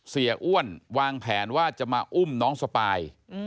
อ้วนวางแผนว่าจะมาอุ้มน้องสปาย